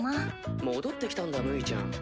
戻ってきたんだムイちゃん。